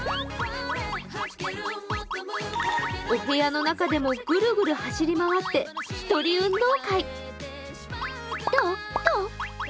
お部屋の中でもグルグル走り回って１人運動会。